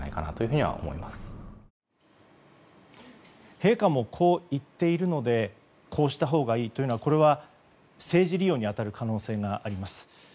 陛下もこう言っているのでこうしたほうがいいというのは政治利用に当たる可能性があります。